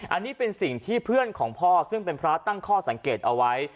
อันนี้เป็นสิ่งที่เพื่อนของพ่อซึ่งเป็นพระตั้งข้อสังเกตเอาไว้